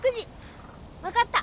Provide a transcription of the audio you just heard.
分かった。